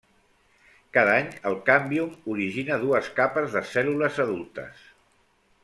Cada any el càmbium origina dues capes de cèl·lules adultes.